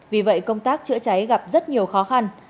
vì vậy công tác chữa cháy gặp rất nhiều khó khăn